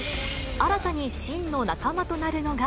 新たに信の仲間となるのが。